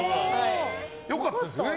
良かったですよね。